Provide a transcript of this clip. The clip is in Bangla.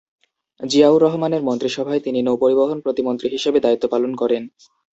জিয়াউর রহমানের মন্ত্রিসভায় তিনি নৌপরিবহন প্রতিমন্ত্রী হিসেবে দায়িত্ব পালন করেন।